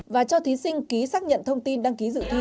và cho thí sinh ký xác nhận thông tin đăng ký dự thi